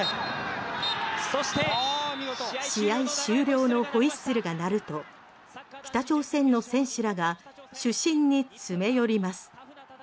試合終了のホイッスルが鳴ると北朝鮮の選手らが主審に詰め寄ります。